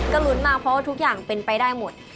ก็ลุ้นมากเพราะว่าทุกอย่างเป็นไปได้หมด